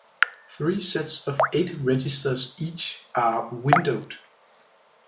Three sets of eight registers each are "windowed".